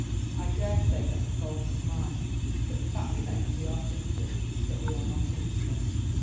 I daresay that the fault is mine, but the fact remains—we are sisters but we are not intimate.